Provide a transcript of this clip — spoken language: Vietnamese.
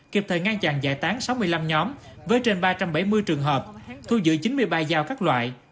kịp thời ngang chàng giải tán sáu mươi năm nhóm với trên ba trăm bảy mươi trường hợp thu dự chín mươi ba dao các loại